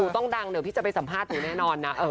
ต้องดังเดี๋ยวพี่จะไปสัมภาษณ์หนูแน่นอนนะ